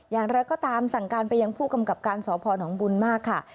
อย่างไรก็ตามสั่งการไปยังผู้กำกับการสพนบุญมากค่ะ